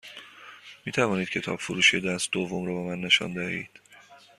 می توانید کتاب فروشی دست دوم رو به من نشان دهید؟